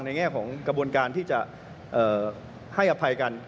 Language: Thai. แง่ของกระบวนการที่จะให้อภัยกัน